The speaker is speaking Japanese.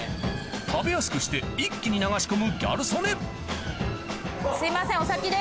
食べやすくして一気に流し込むギャル曽根すいません。